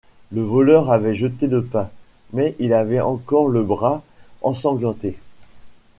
Le voleur avait jeté le pain, mais il avait encore le bras ensanglanté.